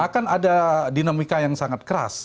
akan ada dinamika yang sangat keras